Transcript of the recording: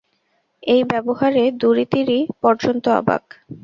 এই ব্যবহারে দুরি তিরি পর্যন্ত অবাক।